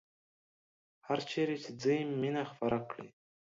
هرچیرې چې ځئ مینه خپره کړئ